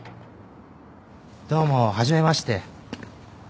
どうも初めまして。